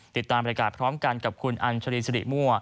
ติดตามบริการพร้อมกันกับคุณอัญชรีสิริมั่ว